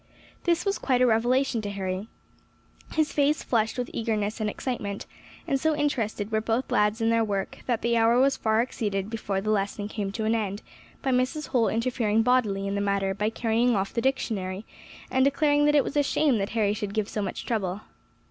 This was quite a revelation to Harry; his face flushed with eagerness and excitement, and so interested were both lads in their work, that the hour was far exceeded before the lesson came to an end by Mrs. Holl interfering bodily in the matter by carrying off the Dictionary, and declaring that it was a shame that Harry should give so much trouble.